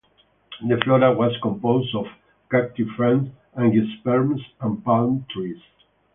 The flora was composed of cacti, ferns, angiosperms, and palm trees.